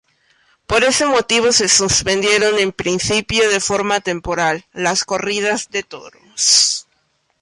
Por ese motivo se suspendieron, en principio de forma temporal, las corridas de toros.